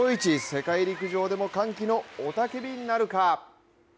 世界陸上でも歓喜の雄たけびなるか？